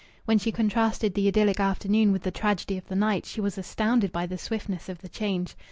When she contrasted the idyllic afternoon with the tragedy of the night, she was astounded by the swiftness of the change.